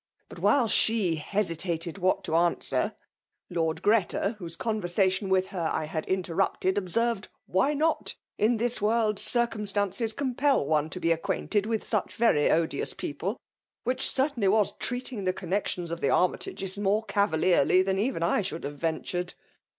But while she hesitated what to answer, I ord Greta, whose conversa VOL. i. B 74 F^fALB DOJflNATIOK. tion with her I had interrupted, ohscrvcd, * Why not ? In this world, circunntancea com pel one to be acquainted with such very odkms people!' Which certainly was treating the connexions of the Armytages more cavalierly than even I should have ventured.